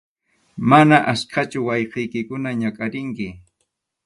Mana achkachu wawqiykikuna ñakʼarinki.